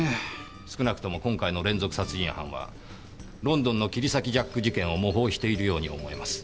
少なくとも今回の連続殺人犯はロンドンの切り裂きジャック事件を模倣しているように思えます。